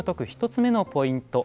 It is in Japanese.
１つ目のポイント